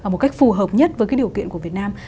một cách phù hợp nhất với cái điều kiện của việt nam